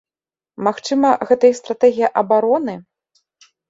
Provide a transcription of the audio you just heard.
Магчыма, гэта іх стратэгія абароны.